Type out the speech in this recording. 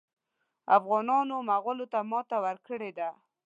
افغانانو مغولو ته ماته ورکړې ده.